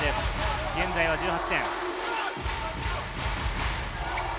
現在は１８点。